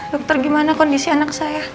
dokter gimana kondisi anak saya